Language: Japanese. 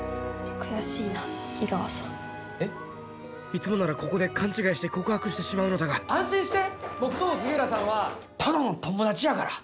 いつもならここで勘違いして告白してしまうのだが安心して僕と杉浦さんはただの友達やから。